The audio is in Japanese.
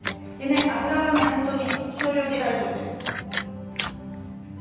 油は少量で大丈夫です。